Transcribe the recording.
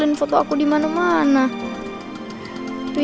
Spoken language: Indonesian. gak ada apa apa